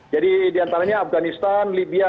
jadi di antaranya afghanistan libya